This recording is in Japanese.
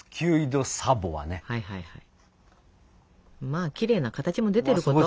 まあきれいな形も出てること。